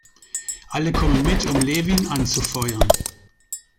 Alle kommen mit, um Levin anzufeuern.